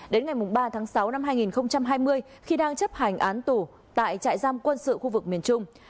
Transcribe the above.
đến ngày ba tháng sáu năm hai nghìn hai mươi khi đang chấp hành án tù tại trại giam quân sự khu vực miền trung